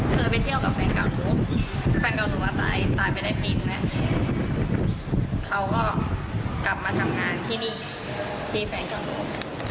ไปเที่ยวกับแฟนเก่าหนูแฟนเก่าหนูอ่ะตายตายไปได้ปีนึงแล้วเขาก็กลับมาทำงานที่นี่ที่แฟนเก่าหนู